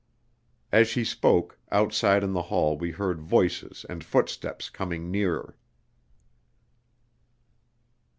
As she spoke, outside in the hall we heard voices and footsteps coming nearer.